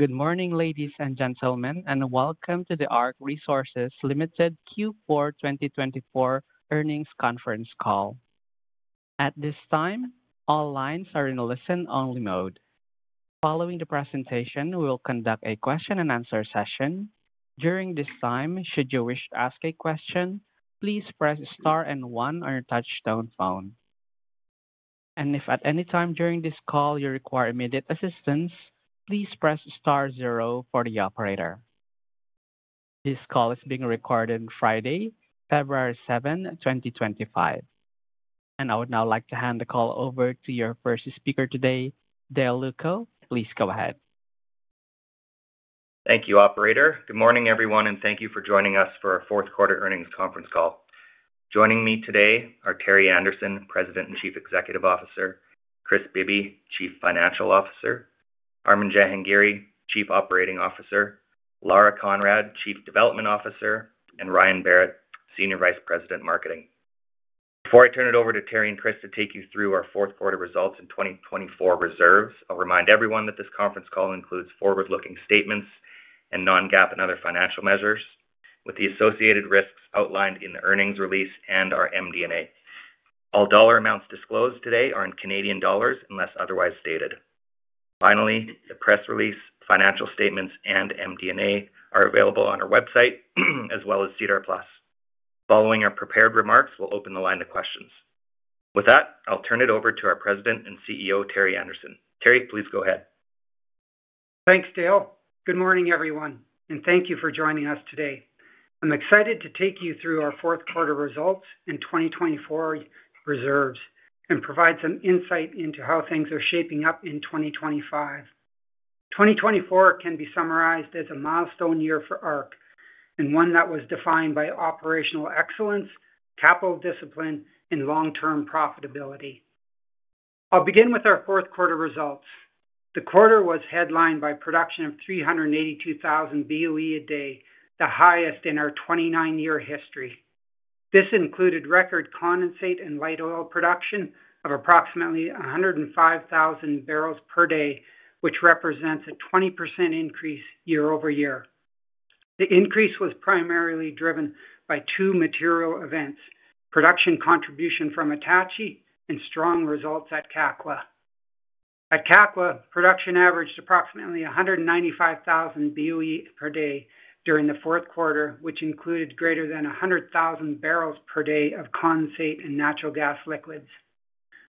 Good morning, ladies and gentlemen, and welcome to the ARC Resources Limited Q4 2024 Earnings Conference Call. At this time, all lines are in listen-only mode. Following the presentation, we will conduct a question-and-answer session. During this time, should you wish to ask a question, please press star and one on your touch-tone phone. And if at any time during this call you require immediate assistance, please press star zero for the operator. This call is being recorded on Friday, February 7, 2025. And I would now like to hand the call over to your first speaker today, Dale Lewko. Please go ahead. Thank you, Operator. Good morning, everyone, and thank you for joining us for our fourth quarter earnings conference call. Joining me today are Terry Anderson, President and Chief Executive Officer, Kris Bibby, Chief Financial Officer, Armin Jahangiri, Chief Operating Officer, Lara Conrad, Chief Development Officer, and Ryan Berrett, Senior Vice President, Marketing. Before I turn it over to Terry and Kris to take you through our fourth quarter results and 2024 reserves, I'll remind everyone that this conference call includes forward-looking statements and non-GAAP and other financial measures, with the associated risks outlined in the earnings release and our MD&A. All dollar amounts disclosed today are in Canadian dollars unless otherwise stated. Finally, the press release, financial statements, and MD&A are available on our website as well as SEDAR+. Following our prepared remarks, we'll open the line to questions. With that, I'll turn it over to our President and CEO, Terry Anderson. Terry, please go ahead. Thanks, Dale. Good morning, everyone, and thank you for joining us today. I'm excited to take you through our fourth quarter results and 2024 reserves and provide some insight into how things are shaping up in 2025. 2024 can be summarized as a milestone year for ARC and one that was defined by operational excellence, capital discipline, and long-term profitability. I'll begin with our fourth quarter results. The quarter was headlined by production of 382,000 BOE a day, the highest in our 29-year history. This included record condensate and light oil production of approximately 105,000 barrels per day, which represents a 20% increase year-over-year. The increase was primarily driven by two material events: production contribution from Attachie and strong results at Kakwa. At Kakwa, production averaged approximately 195,000 BOE per day during the fourth quarter, which included greater than 100,000 barrels per day of condensate and natural gas liquids.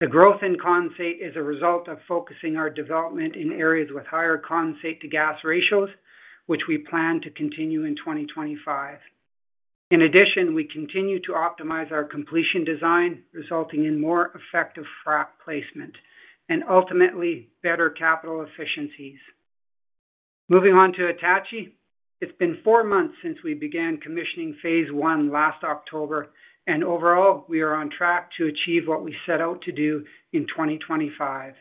The growth in condensate is a result of focusing our development in areas with higher condensate-to-gas ratios, which we plan to continue in 2025. In addition, we continue to optimize our completion design, resulting in more effective frac placement and ultimately better capital efficiencies. Moving on to Attachie, it's been four months since we began commissioning phase one last October, and overall, we are on track to achieve what we set out to do in 2025.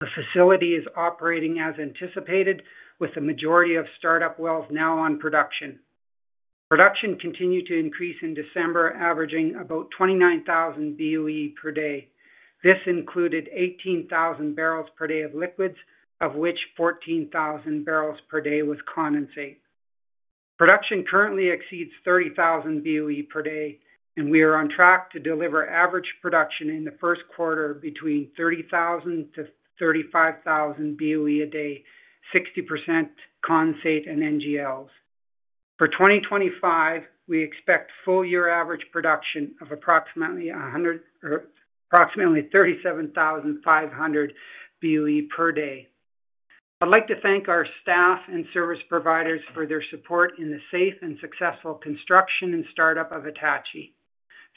The facility is operating as anticipated, with the majority of startup wells now on production. Production continued to increase in December, averaging about 29,000 BOE per day. This included 18,000 barrels per day of liquids, of which 14,000 barrels per day was condensate. Production currently exceeds 30,000 BOE per day, and we are on track to deliver average production in the first quarter between 30,000-35,000 BOE a day, 60% condensate and NGLs. For 2025, we expect full-year average production of approximately 37,500 BOE per day. I'd like to thank our staff and service providers for their support in the safe and successful construction and startup of Attachie.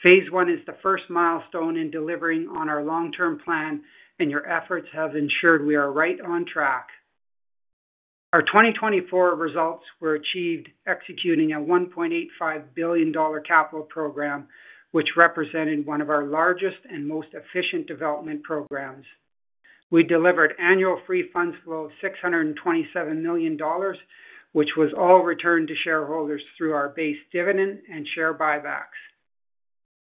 Phase one is the first milestone in delivering on our long-term plan, and your efforts have ensured we are right on track. Our 2024 results were achieved executing a 1.85 billion dollar capital program, which represented one of our largest and most efficient development programs. We delivered annual free funds flow of 627 million dollars, which was all returned to shareholders through our base dividend and share buybacks.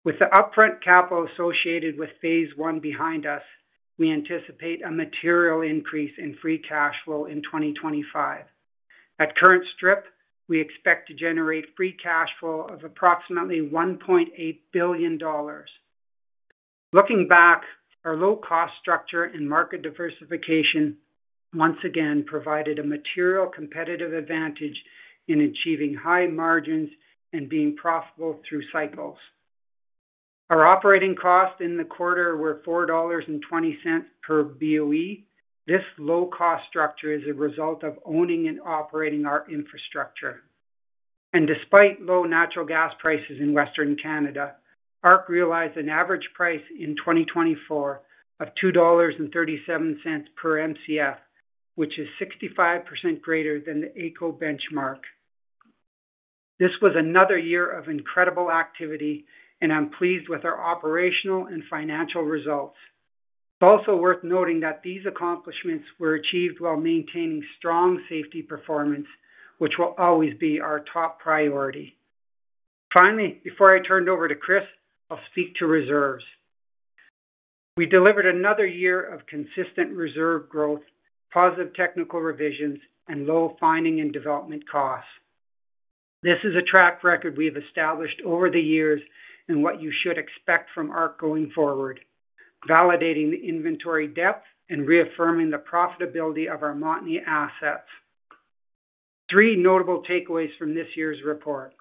With the upfront capital associated with phase one behind us, we anticipate a material increase in free cash flow in 2025. At current strip, we expect to generate free cash flow of approximately 1.8 billion dollars. Looking back, our low-cost structure and market diversification once again provided a material competitive advantage in achieving high margins and being profitable through cycles. Our operating costs in the quarter were 4.20 dollars per BOE. This low-cost structure is a result of owning and operating our infrastructure and despite low natural gas prices in Western Canada, ARC realized an average price in 2024 of 2.37 dollars per MCF, which is 65% greater than the AECO benchmark. This was another year of incredible activity, and I'm pleased with our operational and financial results. It's also worth noting that these accomplishments were achieved while maintaining strong safety performance, which will always be our top priority. Finally, before I turn it over to Kris, I'll speak to reserves. We delivered another year of consistent reserve growth, positive technical revisions, and low finding and development costs. This is a track record we've established over the years and what you should expect from ARC going forward, validating the inventory depth and reaffirming the profitability of our Montney assets. Three notable takeaways from this year's report.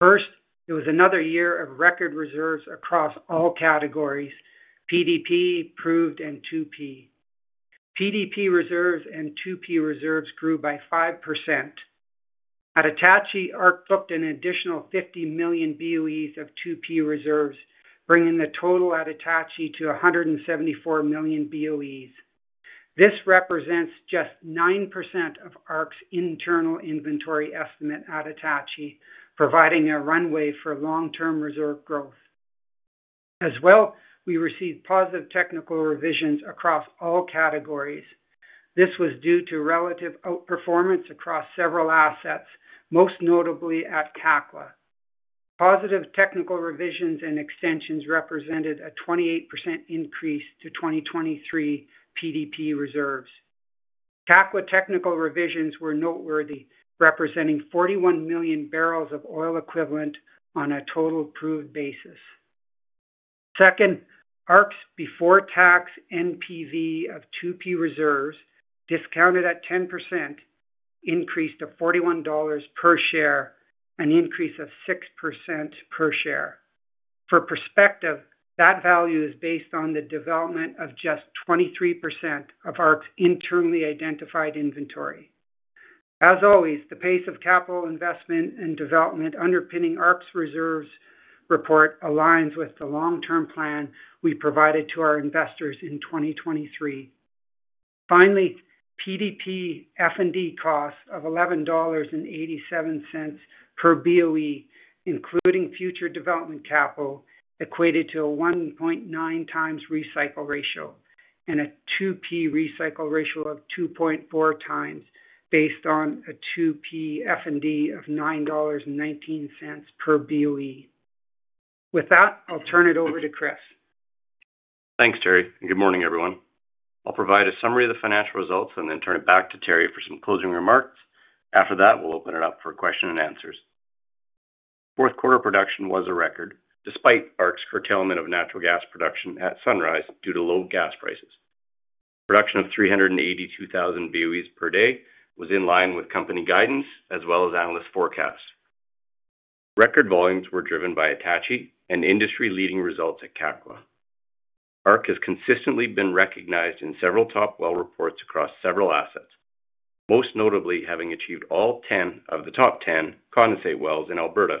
First, it was another year of record reserves across all categories: PDP, 1P, and 2P. PDP reserves and 2P reserves grew by 5%. At Attachie, ARC booked an additional 50 million BOEs of 2P reserves, bringing the total at Attachie to 174 million BOEs. This represents just 9% of ARC's internal inventory estimate at Attachie, providing a runway for long-term reserve growth. As well, we received positive technical revisions across all categories. This was due to relative outperformance across several assets, most notably at Kakwa. Positive technical revisions and extensions represented a 28% increase to 2023 PDP reserves. Kakwa technical revisions were noteworthy, representing 41 million barrels of oil equivalent on a total proved basis. Second, ARC's before-tax NPV of 2P reserves discounted at 10%, increased to 41 dollars per share, an increase of 6% per share. For perspective, that value is based on the development of just 23% of ARC's internally identified inventory. As always, the pace of capital investment and development underpinning ARC's reserves report aligns with the long-term plan we provided to our investors in 2023. Finally, PDP F&D costs of 11.87 dollars per BOE, including future development capital, equated to a 1.9 times recycle ratio and a 2P recycle ratio of 2.4 times, based on a 2P F&D of 9.19 dollars per BOE. With that, I'll turn it over to Kris. Thanks, Terry. And good morning, everyone. I'll provide a summary of the financial results and then turn it back to Terry for some closing remarks. After that, we'll open it up for questions and answers. Fourth quarter production was a record, despite ARC's curtailment of natural gas production at Sunrise due to low gas prices. Production of 382,000 BOEs per day was in line with company guidance as well as analyst forecasts. Record volumes were driven by Attachie and industry-leading results at Kakwa. ARC has consistently been recognized in several top well reports across several assets, most notably having achieved all 10 of the top 10 condensate wells in Alberta,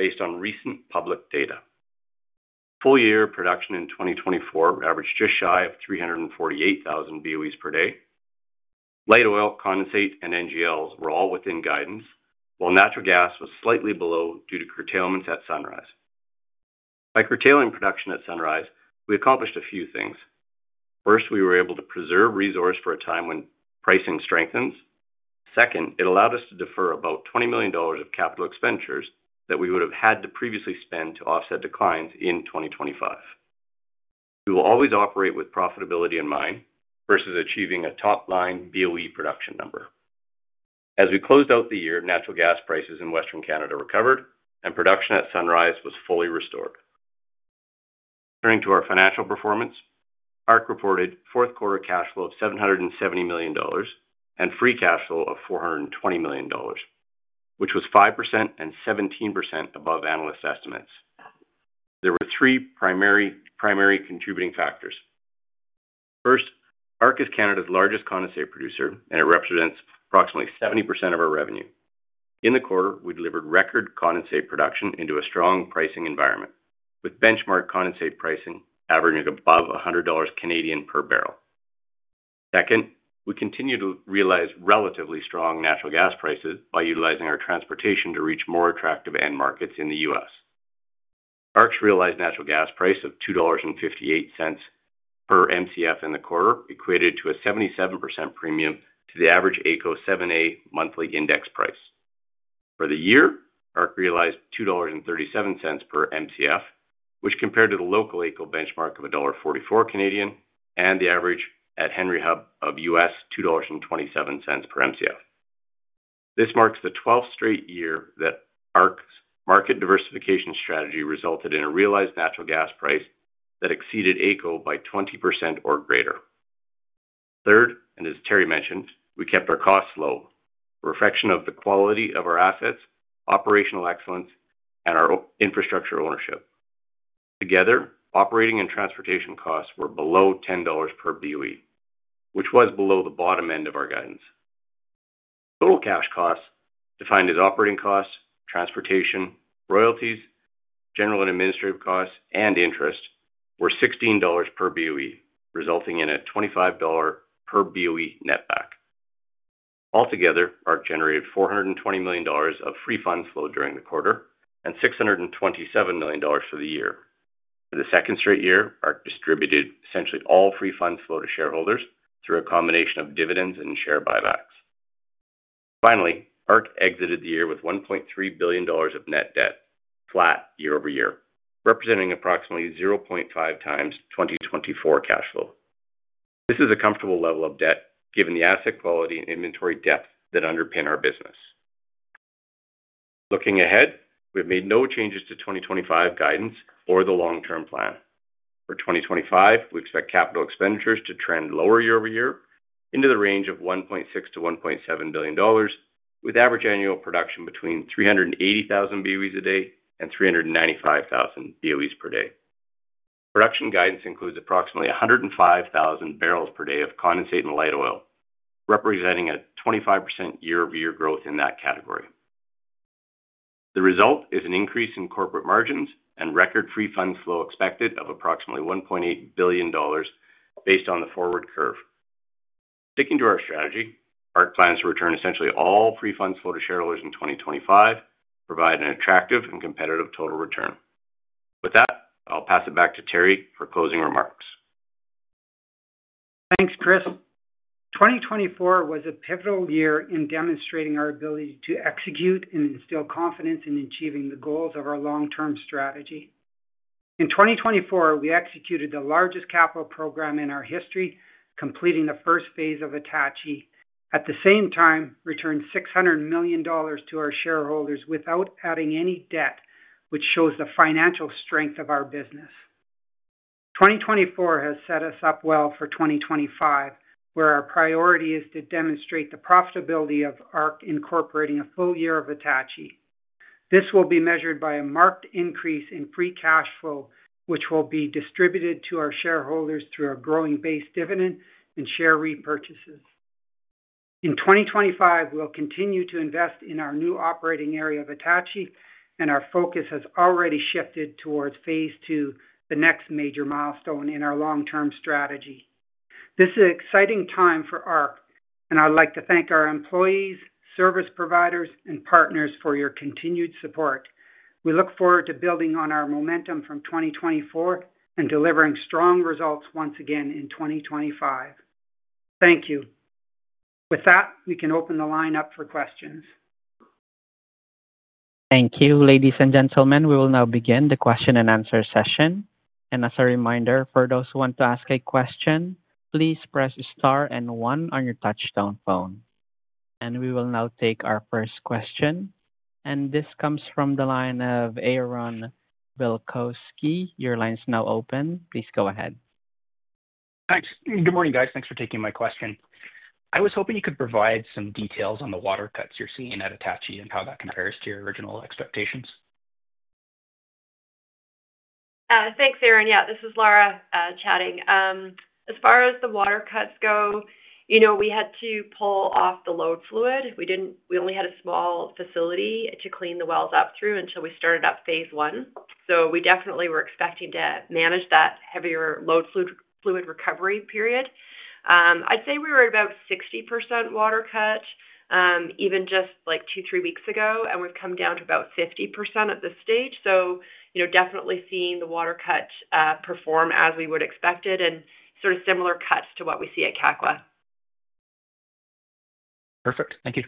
based on recent public data. Full-year production in 2024 averaged just shy of 348,000 BOEs per day. Light oil, condensate, and NGLs were all within guidance, while natural gas was slightly below due to curtailments at Sunrise. By curtailing production at Sunrise, we accomplished a few things. First, we were able to preserve resources for a time when pricing strengthens. Second, it allowed us to defer about 20 million dollars of capital expenditures that we would have had to previously spend to offset declines in 2025. We will always operate with profitability in mind versus achieving a top-line BOE production number. As we closed out the year, natural gas prices in Western Canada recovered, and production at Sunrise was fully restored. Turning to our financial performance, ARC reported fourth quarter cash flow of 770 million dollars and free cash flow of 420 million dollars, which was 5% and 17% above analyst estimates. There were three primary contributing factors. First, ARC is Canada's largest condensate producer, and it represents approximately 70% of our revenue. In the quarter, we delivered record condensate production into a strong pricing environment, with benchmark condensate pricing averaging above 100 Canadian dollars per barrel. Second, we continue to realize relatively strong natural gas prices by utilizing our transportation to reach more attractive end markets in the U.S. ARC's realized natural gas price of $2.58 per MCF in the quarter equated to a 77% premium to the average AECO 7A monthly index price. For the year, ARC realized $2.37 per MCF, which compared to the local AECO benchmark of 1.44 Canadian dollars and the average at Henry Hub of $2.27 per MCF. This marks the 12th straight year that ARC's market diversification strategy resulted in a realized natural gas price that exceeded AECO by 20% or greater. Third, and as Terry mentioned, we kept our costs low, a reflection of the quality of our assets, operational excellence, and our infrastructure ownership. Altogether, operating and transportation costs were below $10 per BOE, which was below the bottom end of our guidance. Total cash costs, defined as operating costs, transportation, royalties, general and administrative costs, and interest, were $16 per BOE, resulting in a $25 per BOE netback. Altogether, ARC generated $420 million of free funds flow during the quarter and $627 million for the year. For the second straight year, ARC distributed essentially all free funds flow to shareholders through a combination of dividends and share buybacks. Finally, ARC exited the year with $1.3 billion of net debt, flat year-over-year, representing approximately 0.5 times 2024 cash flow. This is a comfortable level of debt given the asset quality and inventory depth that underpin our business. Looking ahead, we have made no changes to 2025 guidance or the long-term plan. For 2025, we expect capital expenditures to trend lower year-over-year into the range of 1.6-1.7 billion dollars, with average annual production between 380,000 BOEs a day and 395,000 BOEs per day. Production guidance includes approximately 105,000 barrels per day of condensate and light oil, representing a 25% year-over-year growth in that category. The result is an increase in corporate margins and record free funds flow expected of approximately 1.8 billion dollars, based on the forward curve. Sticking to our strategy, ARC plans to return essentially all free funds flow to shareholders in 2025, providing an attractive and competitive total return. With that, I'll pass it back to Terry for closing remarks. Thanks, Kris. 2024 was a pivotal year in demonstrating our ability to execute and instill confidence in achieving the goals of our long-term strategy. In 2024, we executed the largest capital program in our history, completing the first phase of Attachie. At the same time, we returned 600 million dollars to our shareholders without adding any debt, which shows the financial strength of our business. 2024 has set us up well for 2025, where our priority is to demonstrate the profitability of ARC incorporating a full year of Attachie. This will be measured by a marked increase in free cash flow, which will be distributed to our shareholders through our growing base dividend and share repurchases. In 2025, we'll continue to invest in our new operating area of Attachie, and our focus has already shifted towards phase two, the next major milestone in our long-term strategy. This is an exciting time for ARC, and I'd like to thank our employees, service providers, and partners for your continued support. We look forward to building on our momentum from 2024 and delivering strong results once again in 2025. Thank you. With that, we can open the line up for questions. Thank you, ladies and gentlemen. We will now begin the question and answer session. And as a reminder, for those who want to ask a question, please press star and one on your touch-tone phone. And we will now take our first question. And this comes from the line of Aaron Bilkoski. Your line is now open. Please go ahead. Thanks. Good morning, guys. Thanks for taking my question. I was hoping you could provide some details on the water cuts you're seeing at Attachie and how that compares to your original expectations. Thanks, Aaron. Yeah, this is Lara chatting. As far as the water cuts go, we had to pull off the load fluid. We only had a small facility to clean the wells up through until we started up phase one. We definitely were expecting to manage that heavier load fluid recovery period. I'd say we were at about 60% water cut, even just like two, three weeks ago, and we've come down to about 50% at this stage. We definitely are seeing the water cut perform as we would expect it and sort of similar cuts to what we see at Kakwa. Perfect. Thank you.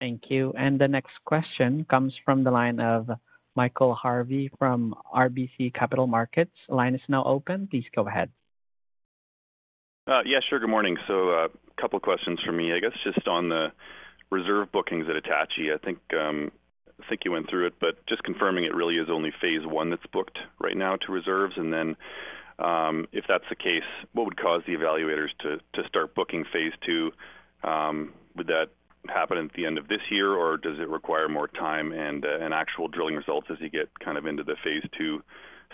Thank you. And the next question comes from the line of Michael Harvey from RBC Capital Markets. The line is now open. Please go ahead. Yes, sure. Good morning. So a couple of questions for me, I guess, just on the reserve bookings at Attachie. I think you went through it, but just confirming it really is only phase one that's booked right now to reserves. And then if that's the case, what would cause the evaluators to start booking phase two? Would that happen at the end of this year, or does it require more time and actual drilling results as you get kind of into the phase two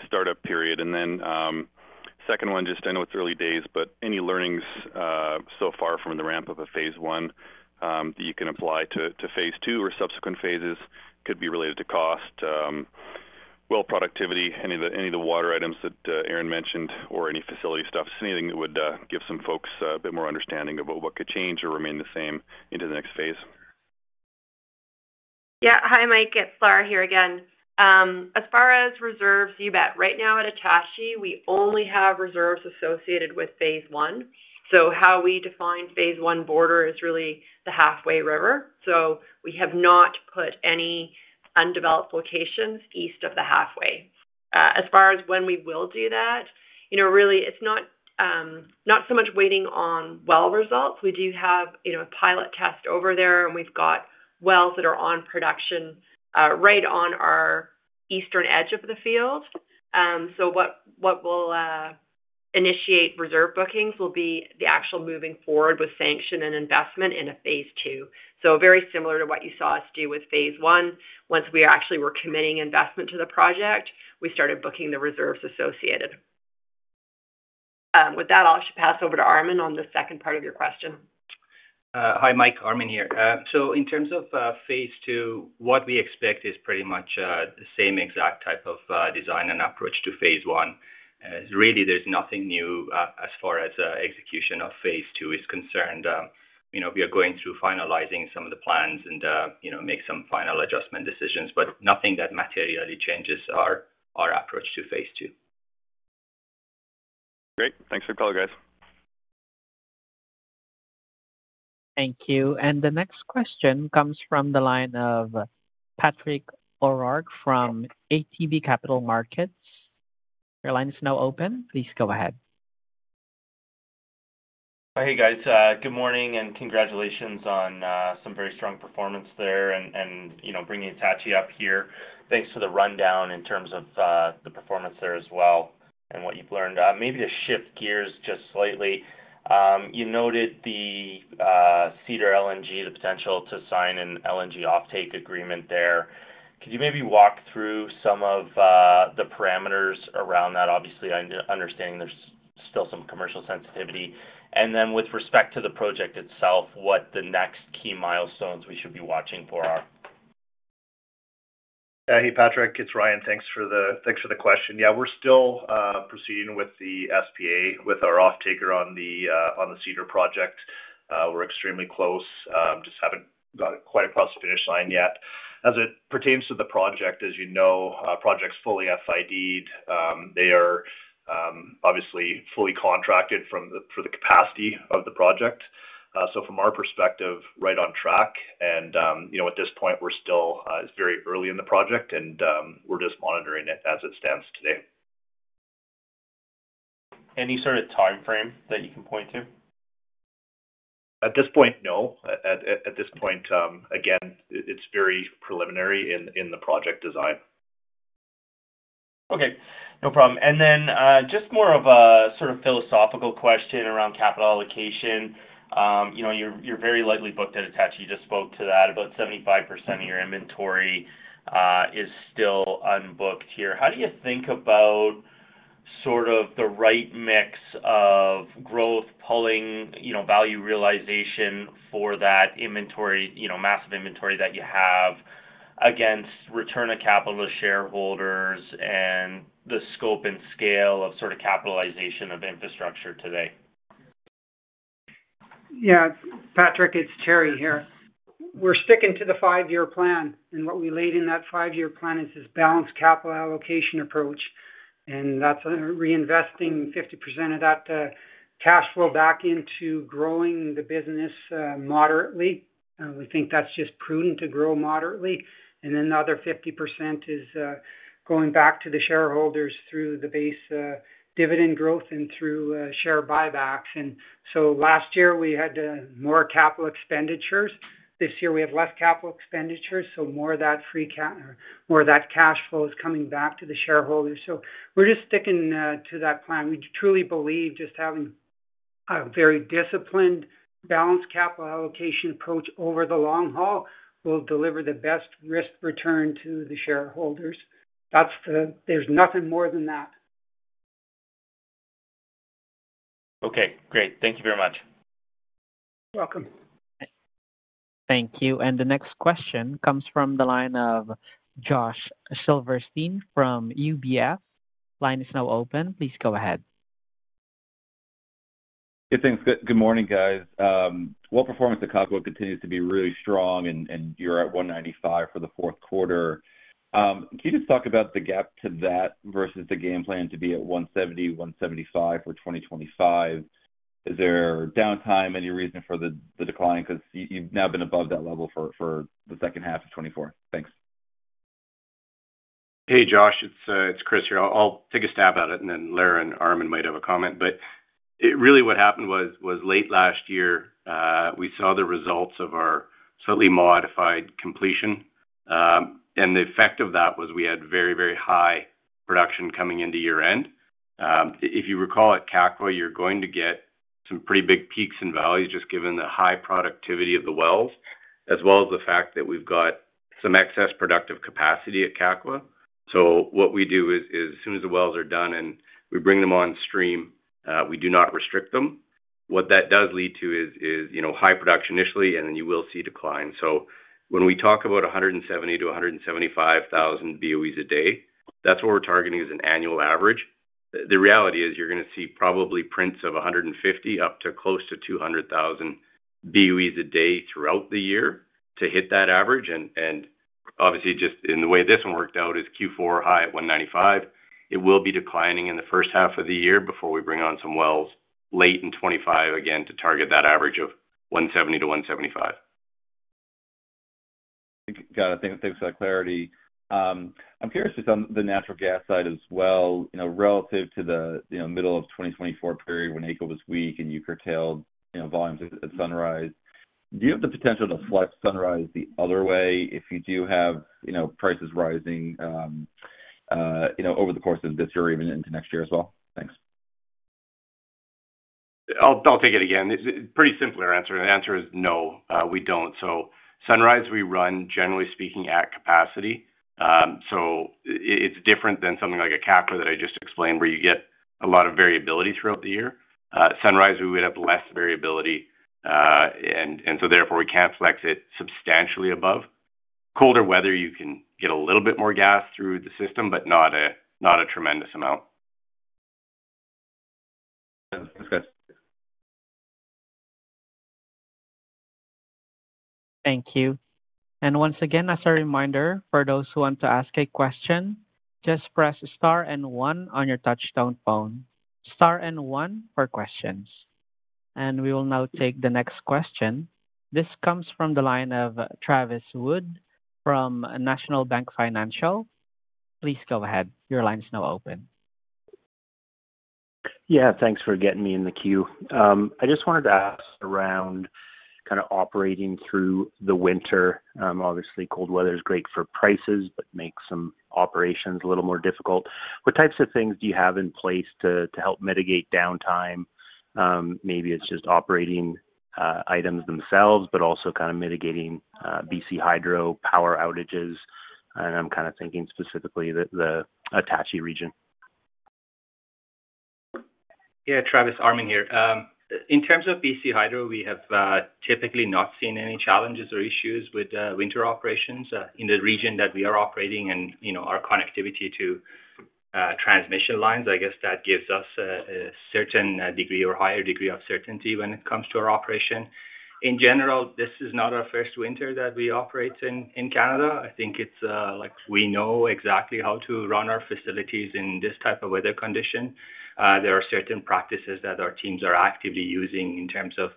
startup period? And then second one, just I know it's early days, but any learnings so far from the ramp of a phase one that you can apply to phase two or subsequent phases could be related to cost, well productivity, any of the water items that Aaron mentioned, or any facility stuff? Just anything that would give some folks a bit more understanding of what could change or remain the same into the next phase. Yeah. Hi, Mike. It's Lara here again. As far as reserves, you bet. Right now at Attachie, we only have reserves associated with phase one. So how we define phase one border is really the Halfway River. So we have not put any undeveloped locations east of the Halfway River. As far as when we will do that, really, it's not so much waiting on well results. We do have a pilot test over there, and we've got wells that are on production right on our eastern edge of the field. So what will initiate reserve bookings will be the actual moving forward with sanction and investment in a phase two. So very similar to what you saw us do with phase one, once we actually were committing investment to the project, we started booking the reserves associated. With that, I'll pass over to Armin on the second part of your question. Hi, Mike. Armin here. So in terms of phase two, what we expect is pretty much the same exact type of design and approach to phase one. Really, there's nothing new as far as execution of phase two is concerned. We are going through finalizing some of the plans and make some final adjustment decisions, but nothing that materially changes our approach to phase two. Great. Thanks for the call, guys. Thank you. And the next question comes from the line of Patrick O'Rourke from ATB Capital Markets. Your line is now open. Please go ahead. Hey, guys. Good morning and congratulations on some very strong performance there and bringing Attachie up here. Thanks for the rundown in terms of the performance there as well and what you've learned. Maybe to shift gears just slightly, you noted the Cedar LNG, the potential to sign an LNG offtake agreement there. Could you maybe walk through some of the parameters around that? Obviously, I'm understanding there's still some commercial sensitivity. And then with respect to the project itself, what the next key milestones we should be watching for are? Hey, Patrick. It's Ryan. Thanks for the question. Yeah, we're still proceeding with the SPA with our offtaker on the Cedar project. We're extremely close. Just haven't got quite across the finish line yet. As it pertains to the project, as you know, projects fully FIDed. They are obviously fully contracted for the capacity of the project. So from our perspective, right on track, and at this point, we're still very early in the project, and we're just monitoring it as it stands today. Any sort of timeframe that you can point to? At this point, no. At this point, again, it's very preliminary in the project design. Okay. No problem. And then just more of a sort of philosophical question around capital allocation. You're very likely booked at Attachie. You just spoke to that. About 75% of your inventory is still unbooked here. How do you think about sort of the right mix of growth, pulling value realization for that inventory, massive inventory that you have, against return of capital to shareholders and the scope and scale of sort of capitalization of infrastructure today? Yeah. Patrick, it's Terry here. We're sticking to the five-year plan. And what we laid in that five-year plan is this balanced capital allocation approach. And that's reinvesting 50% of that cash flow back into growing the business moderately. We think that's just prudent to grow moderately. And then the other 50% is going back to the shareholders through the base dividend growth and through share buybacks. And so last year, we had more capital expenditures. This year, we have less capital expenditures. So more of that free funds flow is coming back to the shareholders. So we're just sticking to that plan. We truly believe just having a very disciplined balanced capital allocation approach over the long haul will deliver the best risk return to the shareholders. There's nothing more than that. Okay. Great. Thank you very much. You're welcome. Thank you, and the next question comes from the line of Josh Silverstein from UBS. Line is now open. Please go ahead. Good morning, guys. Performance at Kakwa continues to be really strong, and you're at 195 for the fourth quarter. Can you just talk about the gap to that versus the game plan to be at 170-175 for 2025? Is there downtime? Any reason for the decline? Because you've now been above that level for the second half of 2024. Thanks. Hey, Josh. It's Kris here. I'll take a stab at it, and then Lara and Armin might have a comment. But really, what happened was late last year, we saw the results of our slightly modified completion. And the effect of that was we had very, very high production coming into year-end. If you recall at Kakwa, you're going to get some pretty big peaks and valleys just given the high productivity of the wells, as well as the fact that we've got some excess productive capacity at Kakwa. So what we do is as soon as the wells are done and we bring them on stream, we do not restrict them. What that does lead to is high production initially, and then you will see decline. So when we talk about 170,000-175,000 BOEs a day, that's what we're targeting as an annual average. The reality is you're going to see probably prints of 150 up to close to 200,000 BOEs a day throughout the year to hit that average. And obviously, just in the way this one worked out is Q4 high at 195. It will be declining in the first half of the year before we bring on some wells late in 2025 again to target that average of 170-175. Got it. Thanks for that clarity. I'm curious just on the natural gas side as well. Relative to the middle of 2024 period when AECO was weak and you curtailed volumes at Sunrise, do you have the potential to flex Sunrise the other way if you do have prices rising over the course of this year or even into next year as well? Thanks. I'll take it again. It's a pretty simple answer. The answer is no. We don't. So Sunrise, we run, generally speaking, at capacity. So it's different than something like a Kakwa that I just explained where you get a lot of variability throughout the year. Sunrise, we would have less variability. And so therefore, we can't flex it substantially above. Colder weather, you can get a little bit more gas through the system, but not a tremendous amount. Thanks, guys. Thank you. And once again, as a reminder, for those who want to ask a question, just press star and one on your touch-tone phone. Star and one for questions. And we will now take the next question. This comes from the line of Travis Wood from National Bank Financial. Please go ahead. Your line is now open. Yeah. Thanks for getting me in the queue. I just wanted to ask around kind of operating through the winter. Obviously, cold weather is great for prices but makes some operations a little more difficult. What types of things do you have in place to help mitigate downtime? Maybe it's just operating items themselves, but also kind of mitigating BC Hydro power outages. And I'm kind of thinking specifically the Attachie region. Yeah. Travis, Armin here. In terms of BC Hydro, we have typically not seen any challenges or issues with winter operations in the region that we are operating and our connectivity to transmission lines. I guess that gives us a certain degree or higher degree of certainty when it comes to our operation. In general, this is not our first winter that we operate in Canada. I think we know exactly how to run our facilities in this type of weather condition. There are certain practices that our teams are actively using in terms of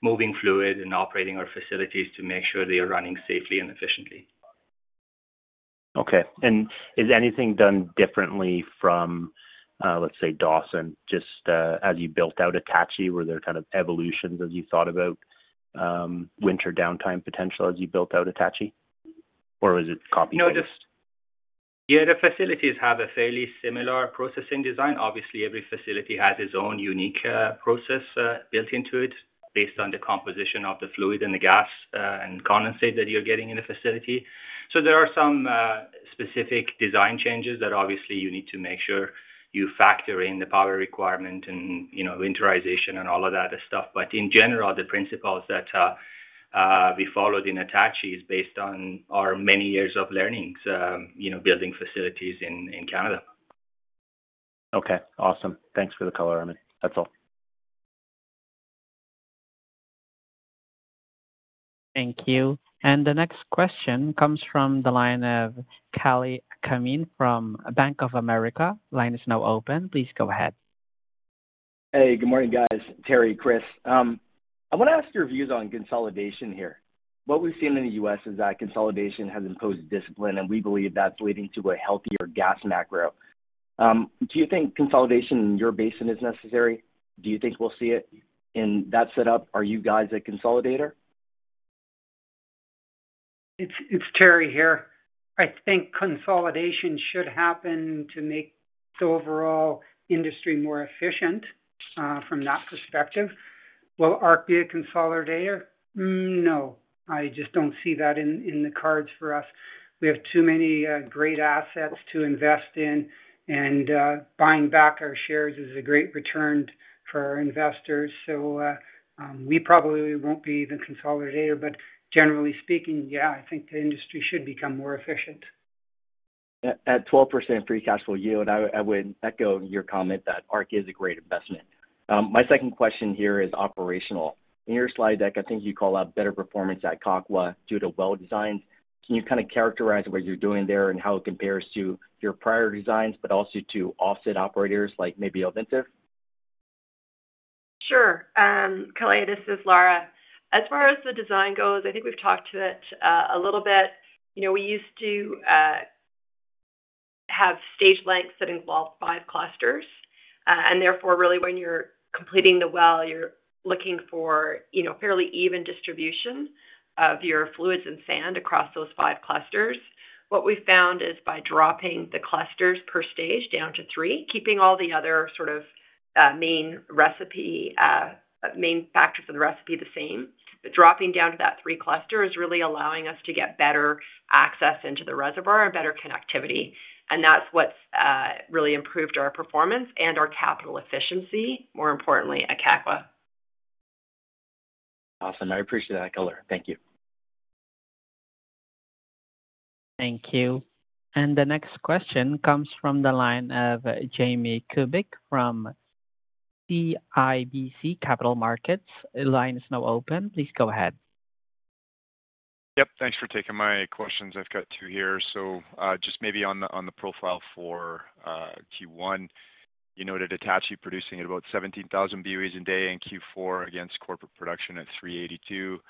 moving fluid and operating our facilities to make sure they are running safely and efficiently. Okay. And is anything done differently from, let's say, Dawson? Just as you built out Attachie, were there kind of evolutions as you thought about winter downtime potential as you built out Attachie? Or is it copy-paste? Yeah. The facilities have a fairly similar processing design. Obviously, every facility has its own unique process built into it based on the composition of the fluid and the gas and condensate that you're getting in the facility. So there are some specific design changes that obviously you need to make sure you factor in the power requirement and winterization and all of that stuff. But in general, the principles that we followed in Attachie is based on our many years of learnings building facilities in Canada. Okay. Awesome. Thanks for the color, Armin. That's all. Thank you. And the next question comes from the line of Kalei Akamine from Bank of America. Line is now open. Please go ahead. Hey, good morning, guys. Terry, Kris. I want to ask your views on consolidation here. What we've seen in the US is that consolidation has imposed discipline, and we believe that's leading to a healthier gas macro. Do you think consolidation in your basin is necessary? Do you think we'll see it in that setup? Are you guys a consolidator? It's Terry here. I think consolidation should happen to make the overall industry more efficient from that perspective. Will ARC be a consolidator? No. I just don't see that in the cards for us. We have too many great assets to invest in, and buying back our shares is a great return for our investors. So we probably won't be the consolidator. But generally speaking, yeah, I think the industry should become more efficient. At 12% free cash flow yield, I would echo your comment that ARC is a great investment. My second question here is operational. In your slide deck, I think you call out better performance at Kakwa due to well designs. Can you kind of characterize what you're doing there and how it compares to your prior designs, but also to offset operators like maybe Ovintiv? Sure. Kalei, this is Lara. As far as the design goes, I think we've talked to it a little bit. We used to have stage lengths that involved five clusters. And therefore, really, when you're completing the well, you're looking for fairly even distribution of your fluids and sand across those five clusters. What we found is by dropping the clusters per stage down to three, keeping all the other sort of main factors of the recipe the same, but dropping down to that three clusters is really allowing us to get better access into the reservoir and better connectivity. And that's what's really improved our performance and our capital efficiency, more importantly, at Kakwa. Awesome. I appreciate that, Kalei. Thank you. Thank you. And the next question comes from the line of Jamie Kubik from CIBC Capital Markets. Line is now open. Please go ahead. Yep. Thanks for taking my questions. I've got two here. So just maybe on the profile for Q1, you noted Attachie producing at about 17,000 BOEs a day in Q4 against corporate production at 382.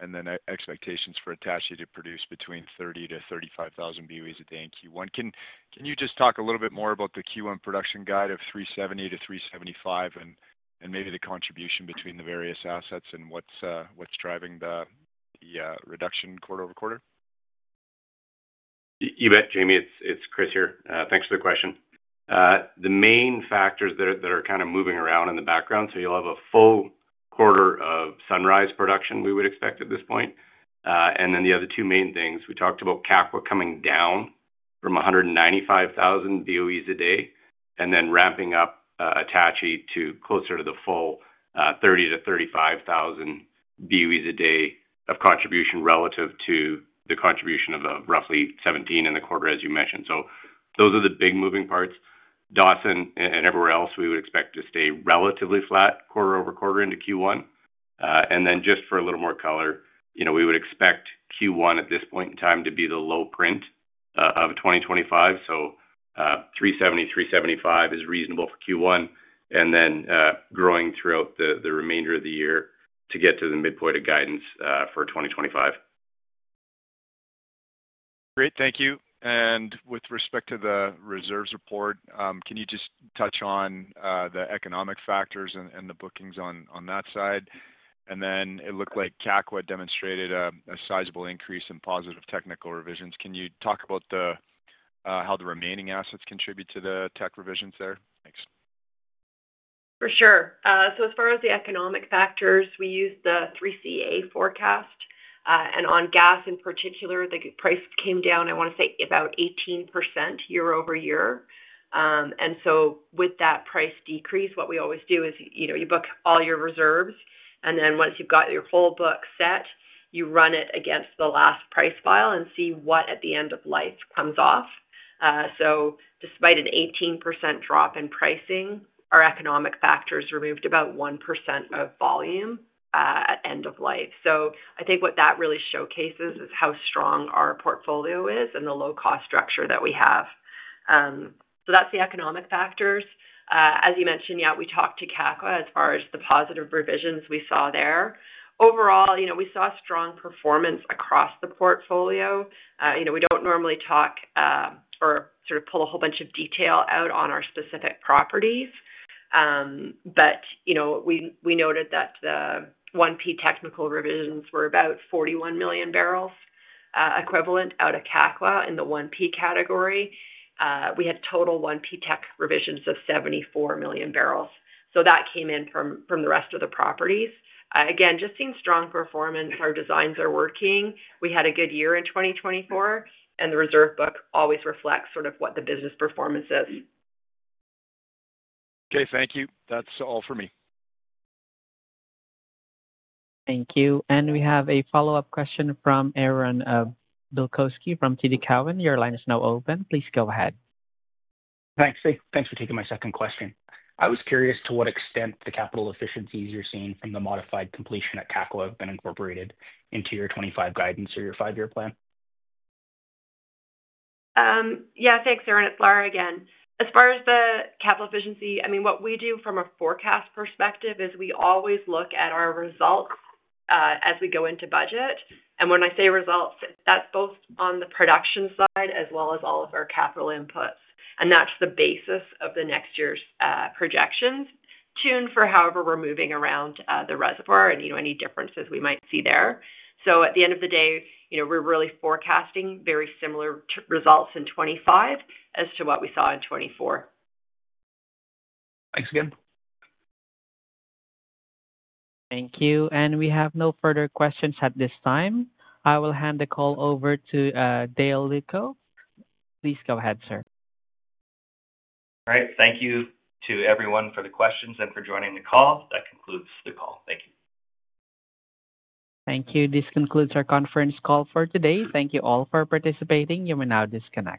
And then expectations for Attachie to produce between 30,000 to 35,000 BOEs a day in Q1. Can you just talk a little bit more about the Q1 production guide of 370 to 375 and maybe the contribution between the various assets and what's driving the reduction quarter-over-quarter? You bet, Jamie. It's Kris here. Thanks for the question. The main factors that are kind of moving around in the background. So you'll have a full quarter of Sunrise production we would expect at this point. And then the other two main things. We talked about Kakwa coming down from 195,000 BOEs a day and then ramping up Attachie to closer to the full 30,000-35,000 BOEs a day of contribution relative to the contribution of roughly 17 in the quarter, as you mentioned. So those are the big moving parts. Dawson and everywhere else we would expect to stay relatively flat quarter-over-quarter into Q1. And then just for a little more color, we would expect Q1 at this point in time to be the low print of 2025. So 370, 375 is reasonable for Q1. And then growing throughout the remainder of the year to get to the midpoint of guidance for 2025. Great. Thank you. And with respect to the reserves report, can you just touch on the economic factors and the bookings on that side? And then it looked like Kakwa demonstrated a sizable increase in positive technical revisions. Can you talk about how the remaining assets contribute to the tech revisions there? Thanks. For sure. So as far as the economic factors, we use the 3CA forecast. And on gas in particular, the price came down, I want to say, about 18% year-over-year. And so with that price decrease, what we always do is you book all your reserves. And then once you've got your whole book set, you run it against the last price file and see what at the end of life comes off. So despite an 18% drop in pricing, our economic factors removed about 1% of volume at end of life. So I think what that really showcases is how strong our portfolio is and the low-cost structure that we have. So that's the economic factors. As you mentioned, yeah, we talked to Kakwa as far as the positive revisions we saw there. Overall, we saw strong performance across the portfolio. We don't normally talk or sort of pull a whole bunch of detail out on our specific properties. But we noted that the 1P technical revisions were about 41 million barrels equivalent out of Kakwa in the 1P category. We had total 1P tech revisions of 74 million barrels. So that came in from the rest of the properties. Again, just seeing strong performance, our designs are working. We had a good year in 2024. And the reserve book always reflects sort of what the business performance is. Okay. Thank you. That's all for me. Thank you. And we have a follow-up question from Aaron Bilkoski from TD Cowen. Your line is now open. Please go ahead. Thanks. Thanks for taking my second question. I was curious to what extent the capital efficiencies you're seeing from the modified completion at Kakwa have been incorporated into your 2025 guidance or your five-year plan? Yeah. Thanks, Aaron. It's Lara again. As far as the capital efficiency, I mean, what we do from a forecast perspective is we always look at our results as we go into budget. And when I say results, that's both on the production side as well as all of our capital inputs. And that's the basis of the next year's projections tuned for however we're moving around the reservoir and any differences we might see there. So at the end of the day, we're really forecasting very similar results in 2025 as to what we saw in 2024. Thanks again. Thank you. And we have no further questions at this time. I will hand the call over to Dale Lewko. Please go ahead, sir. All right. Thank you to everyone for the questions and for joining the call. That concludes the call. Thank you. Thank you. This concludes our conference call for today. Thank you all for participating. You may now disconnect.